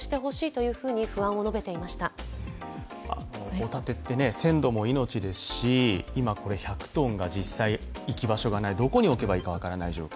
ホタテって鮮度も命ですし今、１００ｔが実際行き場がない、行き場所がない、どこに置けばいいか分からない状況。